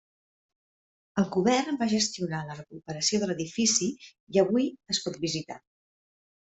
El govern va gestionar la recuperació de l'edifici i avui es pot visitar.